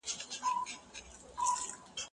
خپل غاښونه په کریم پاک کړئ.